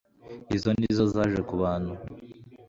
izo nizo zaje kubantu